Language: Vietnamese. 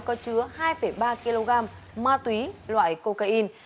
có chứa hai ba kg ma túy loại cocaine